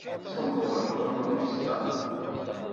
Semmḍet teɣlust-a.